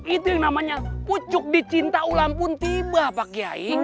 itu namanya pucuk dicinta ulang pun tiba pak kiai